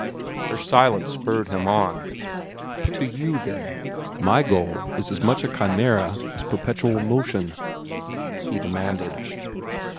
Her silence spurred him on. "To you, then, my goal is as much a chimera as perpetual motion?" he demanded.